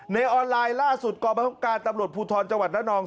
ในออนไลน์ล่าสุดกรบังคับการตำรวจภูทรจังหวัดระนอง